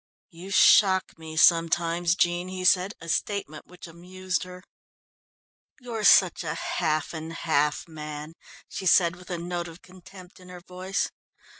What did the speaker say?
"You shock me sometimes, Jean," he said, a statement which amused her. "You're such a half and half man," she said with a note of contempt in her voice.